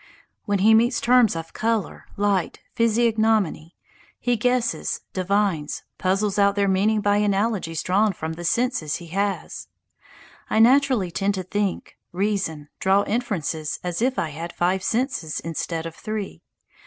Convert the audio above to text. When he meets terms of colour, light, physiognomy, he guesses, divines, puzzles out their meaning by analogies drawn from the senses he has. I naturally tend to think, reason, draw inferences as if I had five senses instead of three.